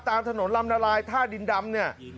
ตามถนนลำละลายท่าดินดำเนี่ย